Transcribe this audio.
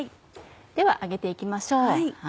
では揚げて行きましょう。